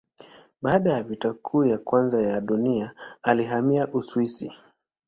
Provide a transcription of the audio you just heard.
Baada ya Vita Kuu ya Kwanza ya Dunia alihamia Uswisi.